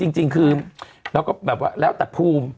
จริงคือแล้วแต่ภูมิ